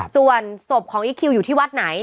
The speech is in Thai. ส่วนศพของอีคคิวอยู่ที่วัดไหน